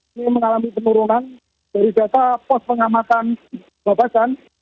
ini mengalami penurunan dari data pos pengamatan bapak